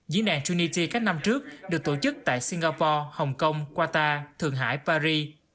diễn đàn trinity các năm trước được tổ chức tại singapore hong kong qatar thượng hải paris